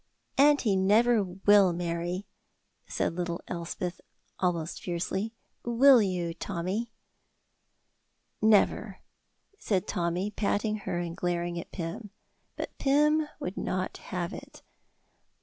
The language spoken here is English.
"And he never will marry," said little Elspeth, almost fiercely; "will you, Tommy?" "Never!" said Tommy, patting her and glaring at Pym. But Pym would not have it.